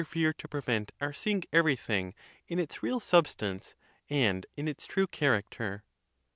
fere to prevent our seeing everything in its real substance and in its true character.